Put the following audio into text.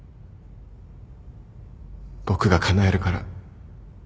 僕がかなえるから。